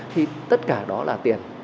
thì tất cả đó là tiền